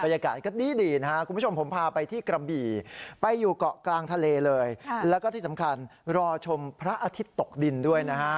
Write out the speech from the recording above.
ยากาศก็ดีนะครับคุณผู้ชมผมพาไปที่กระบี่ไปอยู่เกาะกลางทะเลเลยแล้วก็ที่สำคัญรอชมพระอาทิตย์ตกดินด้วยนะฮะ